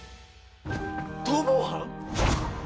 逃亡犯！？